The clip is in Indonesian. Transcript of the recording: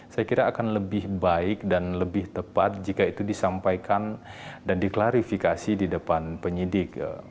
saya kira akan lebih baik dan lebih tepat jika itu disampaikan dan diklarifikasi di depan penyidik